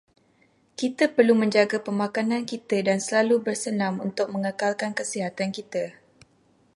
Kita perlu menjaga pemakanan kita dan selalu bersenam untuk mengekalkan kesihatan kita.